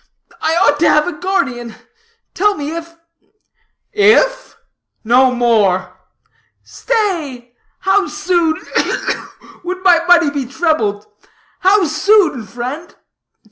I ought to have a guardian. Tell me, if " "If? No more!" "Stay! how soon ugh, ugh! would my money be trebled? How soon, friend?"